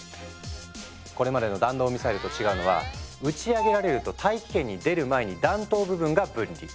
これまでの弾道ミサイルと違うのは打ち上げられると大気圏に出る前に弾頭部分が分離。